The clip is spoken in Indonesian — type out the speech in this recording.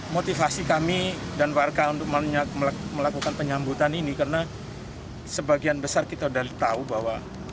motivasi kami dan warga untuk melakukan penyambutan ini karena sebagian besar kita sudah tahu bahwa